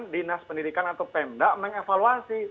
dinas pendidikan atau pemda mengevaluasi